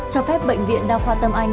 cho phép bệnh viện đa khoa tân anh